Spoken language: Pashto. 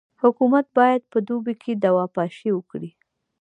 حکومت باید په دوبي کي دوا پاشي وکي.